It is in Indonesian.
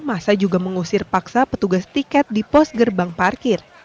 masa juga mengusir paksa petugas tiket di pos gerbang parkir